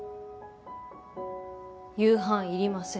夕飯いりません。